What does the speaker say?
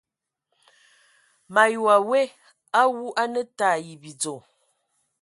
Me ayi wa we awu a na te ai bidzo !